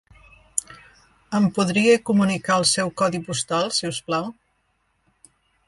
Em podria comunicar el seu codi postal, si us plau?